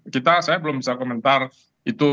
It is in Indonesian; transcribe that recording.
kita saya belum bisa komentar itu